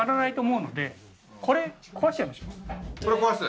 これ壊す？